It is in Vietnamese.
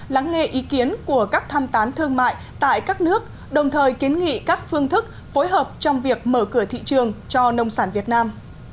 hội nghị tham tán thương mại tại các nước đồng thời kiến nghị các phương thức phối hợp trong việc mở cửa thị trường cho nông sản việt nam